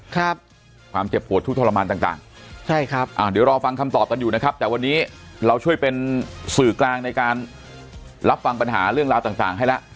ความเจ็บปวดทุกทรมานต่างต่างใช่ครับอ่าเดี๋ยวรอฟังคำตอบกันอยู่นะครับแต่วันนี้เราช่วยเป็นสื่อกลางในการรับฟังปัญหาเรื่องราวต่างต่างให้แล้ว